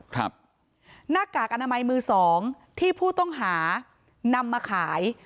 หน้ากากอนามัยมือสองที่ผู้ต้องหานำมาขาย